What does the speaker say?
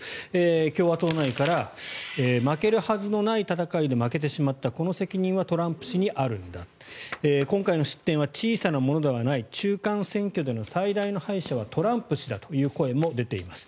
共和党内から負けるはずのない戦いで負けてしまったこの責任はトランプ氏にあるんだ今回の失点は小さなものではない中間選挙での最大の敗者はトランプ氏だという声も出ています。